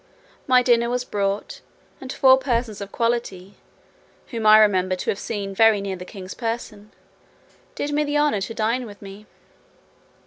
My dinner was brought, and four persons of quality, whom I remembered to have seen very near the king's person, did me the honour to dine with me.